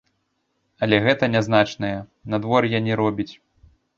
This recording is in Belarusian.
Але гэта нязначнае, надвор'я не робіць.